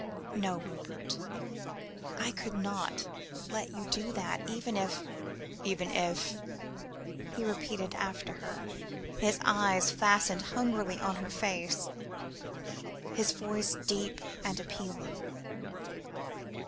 No, Rupert, I could not let you do that, even if " "Even if?" he repeated after her, his eyes fastened hungrily on her face, his voice deep and appealing.